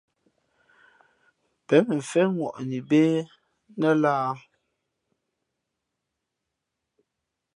Pěn mʉnfén ŋwαʼni bê nά lāhā ?